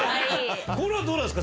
この後どうなんですか？